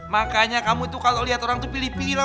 makanya kamu tuh kalo liat orang tuh pilih pilih